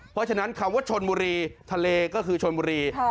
เพราะฉะนั้นคำว่าชนบุรีทะเลก็คือชนบุรี